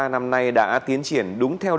năm nay đã tiến triển đúng theo dõi